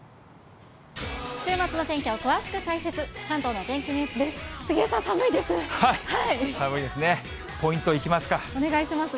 週末の天気を詳しく解説、関東のお天気ニュースです。